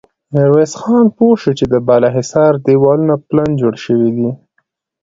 ميرويس خان پوه شو چې د بالا حصار دېوالونه پلن جوړ شوي دي.